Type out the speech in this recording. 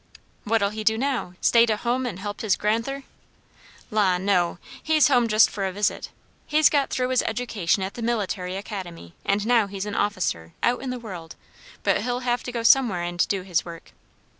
"What'll he do now? stay to hum and help his gran'ther?" "La! no. He's home just for a visit. He's got through his education at the Military Academy, and now he's an officer; out in the world; but he'll have to go somewhere and do his work."